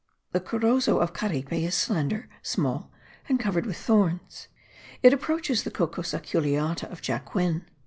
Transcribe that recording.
The Corozo of Caripe is slender, small and covered with thorns; it approaches the Cocos aculeata of Jacquin.